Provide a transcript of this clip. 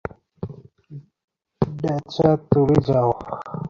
ডেচা, তুমি যাও।